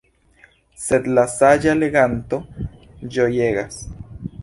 Sed la „saĝa“ leganto ĝojegas.